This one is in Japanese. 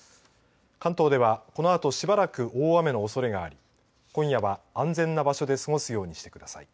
関東ではしばらく大雨のおそれがあり今夜は安全な場所で過ごすようにしてください。